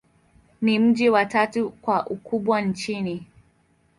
Ni mji wa tatu kwa ukubwa nchini.